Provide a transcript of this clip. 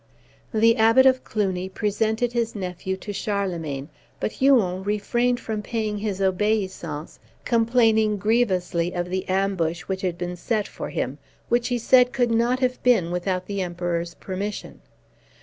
The Abbot of Cluny presented his nephew to Charlemagne, but Huon refrained from paying his obeisance, complaining grievously of the ambush which had been set for him, which he said could not have been without the Emperor's permission.